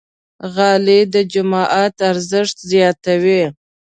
غالۍ د جومات ارزښت زیاتوي.